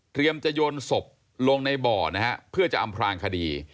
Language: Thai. เตรียมจะโยนศพลงในบ่อนะครับเพื่อจะอำพรางคดี